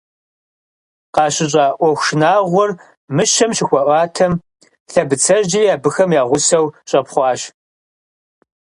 КъащыщӀа Ӏуэху шынагъуэр Мыщэм щыхуаӀуатэм, лъэбыцэжьри абыхэм я гъусэу щӀэпхъуащ.